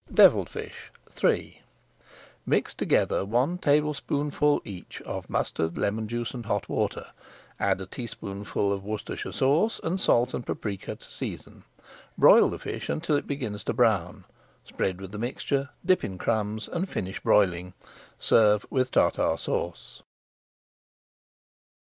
DEVILLED FISH III Mix together one tablespoonful each of mustard, lemon juice, and hot water, add a teaspoonful of Worcestershire, and salt and paprika to season. Broil the fish until it begins to brown, spread with the mixture, dip in crumbs, and finish broiling. Serve with Tartar Sauce.